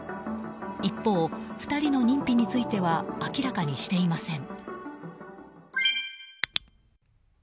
一方、２人の認否については明らかにしていません。